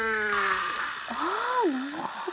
あなるほど。